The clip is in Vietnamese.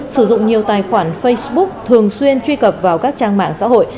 sử dụng nhiều tài khoản facebook thường xuyên truy cập vào các trang mạng xã hội